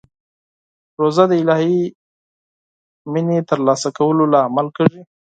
روژه د الهي محبت ترلاسه کولو لامل کېږي.